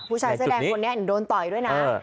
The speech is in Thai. ผู้ชายเสื้อแดงคนนี้โดนต่อยด้วยนะ